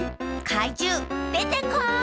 かいじゅうでてこい！